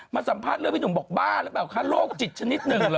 มาสัมภาษณ์เรื่องพี่หนุ่มบอกบ้าแล้วแบบโลกจิตชนิดหนึ่งเหรอ